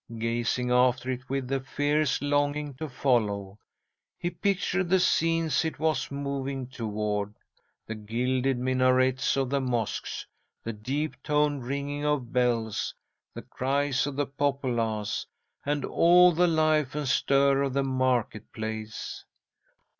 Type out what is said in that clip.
Gazing after it with a fierce longing to follow, he pictured the scenes it was moving toward, the gilded minarets of the mosques, the deep toned ringing of bells, the cries of the populace, and all the life and stir of the market place.